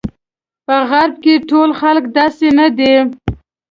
په غرب کې ټول خلک داسې نه دي.